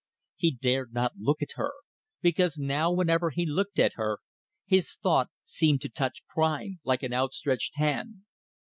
He dared not look at her, because now whenever he looked at her his thought seemed to touch crime, like an outstretched hand.